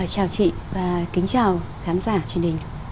chào chị và kính chào khán giả truyền hình